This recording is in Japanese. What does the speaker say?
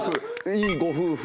「いいご夫婦」